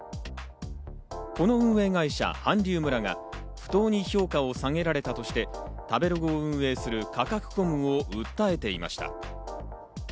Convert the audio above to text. この運営会社、韓流村が不当に評価を下げられたとして、食べログを運営するカカクコムを訴えていました。